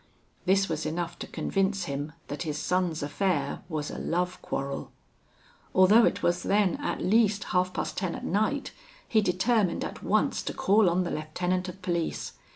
This was enough to convince him that his son's affair was a love quarrel. Although it was then at least half past ten at night, he determined at once to call on the lieutenant of police.